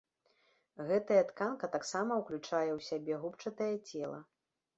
Гэтая тканка таксама ўключае ў сябе губчатае цела.